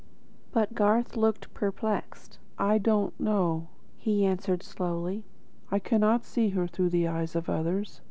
But Garth looked perplexed. "I do not know," he answered slowly. "I cannot see her through the eyes of others.